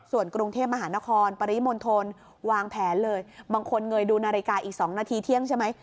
ส่วนกรุงเทพมหานครปริมณฑลวางแผนเลยบางคนเงยดูนาฬิกาอีก๒นาทีเที่ยงใช่ไหม